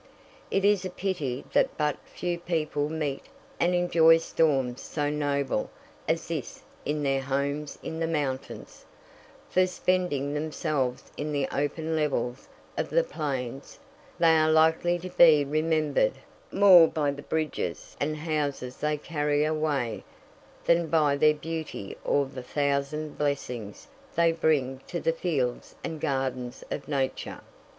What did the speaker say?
It is a pity that but few people meet and enjoy storms so noble as this in their homes in the mountains, for, spending themselves in the open levels of the plains, they are likely to be remembered more by the bridges and houses they carry away than by their beauty or the thousand blessings they bring to the fields and gardens of Nature.